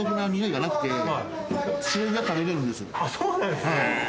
あそうなんすね。